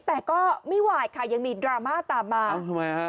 แต่ก็ไม่ไหวค่ะยังมีดราม่าตามมาเอ้าทำไมฮะ